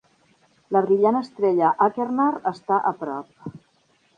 La brillant estrella Achernar està a prop.